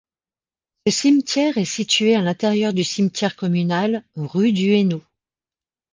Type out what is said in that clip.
Ce cimetière est situé à l'intérieur du cimetière communal, rue du Hainaut.